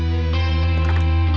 oke sampai jumpa